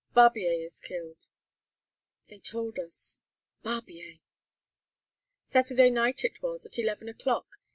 Barbier is killed." "They told us Barbier!" "Saturday night it was, at eleven o'clock.